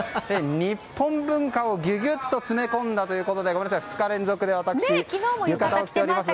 日本文化をギュギュッと詰め込んだということで２日連続で私は浴衣を着ております。